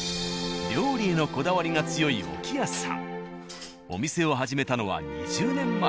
料理へのこだわりが強いそうですね。